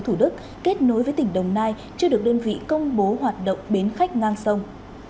thủ đức kết nối với tỉnh đồng nai chưa được đơn vị công bố hoạt động bến khách ngang sông